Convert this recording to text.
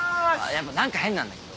やっぱ何か変なんだけど。